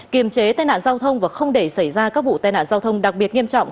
kiềm chế tai nạn giao thông và không để xảy ra các vụ tai nạn giao thông đặc biệt nghiêm trọng